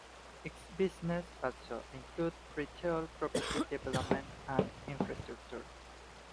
Its business also included retail, property development and infrastructure.